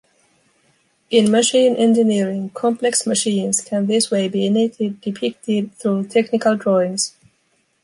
In machine engineering complex machines can this way be neatly depicted through technical drawings.